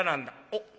おっ。